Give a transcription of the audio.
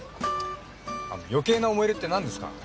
あの余計な思い入れってなんですか？